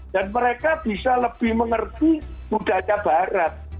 dan mereka bisa lebih mengerti budaya barat